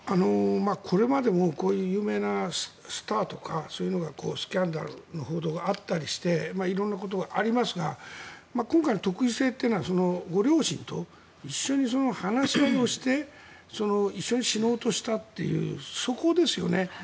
これまでもこういう有名なスターとかスキャンダルの報道があったりして色んなことがありますが今回の特異性というのはご両親と一緒に話し合いをして一緒に死のうとしたというそこですよね。